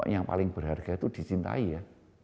yang paling berharga itu dicintai ya